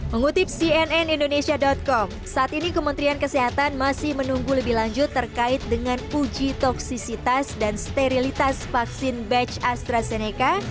mengutip cnn indonesia com saat ini kementerian kesehatan masih menunggu lebih lanjut terkait dengan uji toksisitas dan sterilitas vaksin batch astrazeneca